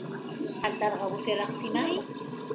هل ترغب في الرقص معي ؟